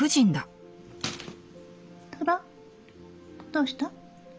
どうした？